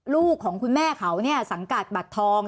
ลูกของคุณแม่เขาเนี่ยสังกัดบัตรทอง